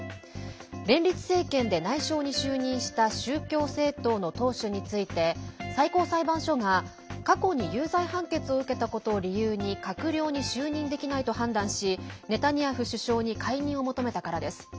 連立政権で内相に就任した宗教政党の党首について最高裁判所が、過去に有罪判決を受けたことを理由に閣僚に就任できないと判断しネタニヤフ首相に解任を求めたからです。